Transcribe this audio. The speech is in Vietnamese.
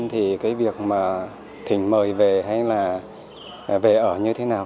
thì cái việc mà thỉnh mời về hay là về ở như thế nào